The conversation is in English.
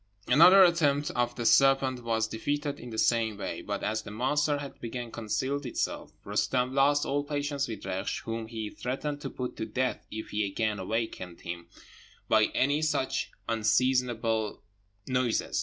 Another attempt of the serpent was defeated in the same way; but as the monster had again concealed itself, Roostem lost all patience with Reksh, whom he threatened to put to death if he again awaked him by any such unseasonable noises.